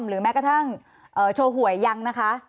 หรือแม้กระทั่งโชว์หวยยังนะคะ